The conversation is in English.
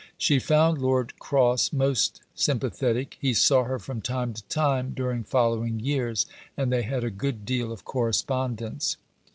She found Lord Cross most sympathetic; he saw her from time to time during following years, and they had a good deal of correspondence.